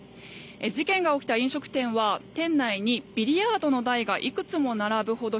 事件が起きた飲食店は店内にビリヤードの台がいくつも並ぶほど